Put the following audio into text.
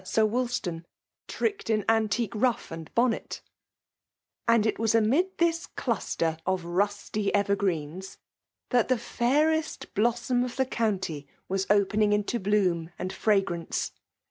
Sir Wolstan— Tricked in antique ruff and bonnet !" And it was amid this cluster of rusty ever greens, that the fairest blossom of the country PKMALE DOHIKATIOK. 147 was opening into bloom and fragrance.